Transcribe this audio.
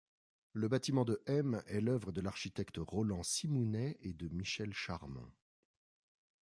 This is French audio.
Le bâtiment de m est l'œuvre de l'architecte Roland Simounet et de Michel Charmont.